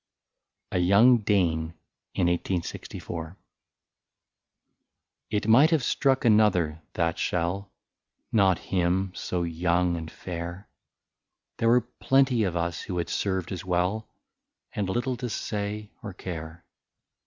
29 A YOUNG DANE IN 1864. It might have struck another — that shell, Not him, so young and fair ; There were plenty of us who had served as well, And little to say or care.